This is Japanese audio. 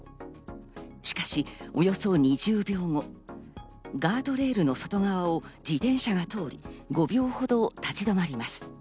しかし、およそ２０秒後、ガードレールの外側を自転車が通り、５秒ほど立ち止まります。